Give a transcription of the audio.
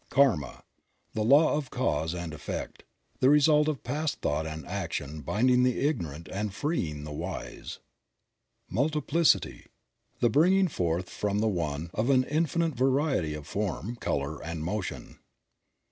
Karma. — The law of cause and effect. The result of past thought and action binding the ignorant and freeing the wise. Multiplicity. — The bringing forth from the One of an infinite variety of form, color and motion.